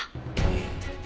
うん。